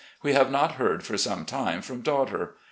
We have not heard for some time from daughter.